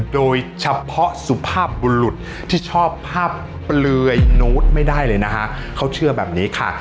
โดยเฉพาะสุภาพบุรุษที่ชอบภาพเปลือยโน้ตไม่ได้เลยนะคะเขาเชื่อแบบนี้ค่ะ